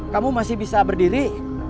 kamu masih bisa berdiri